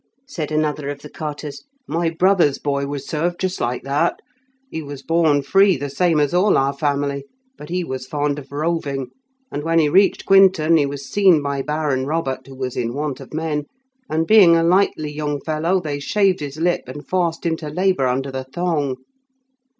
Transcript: said another of the carters. "My brother's boy was served just like that. He was born free, the same as all our family, but he was fond of roving, and when he reached Quinton, he was seen by Baron Robert, who was in want of men, and being a likely young fellow, they shaved his lip, and forced him to labour under the thong.